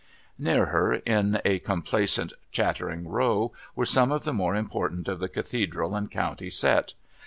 Near her, in a complacent chattering row, were some of the more important of the Cathedral and County set.